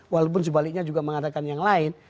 walaupun sebaliknya juga mengatakan yang lain